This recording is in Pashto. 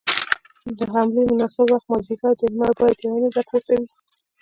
د حملې مناسب وخت مازديګر دی، لمر بايد يوه نيزه پورته وي.